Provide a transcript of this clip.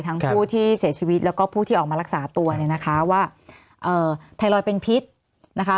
ผู้ที่เสียชีวิตแล้วก็ผู้ที่ออกมารักษาตัวเนี่ยนะคะว่าเอ่อไทรอยด์เป็นพิษนะคะ